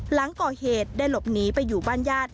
หลังก่อเหตุได้หลบหนีไปอยู่บ้านญาติ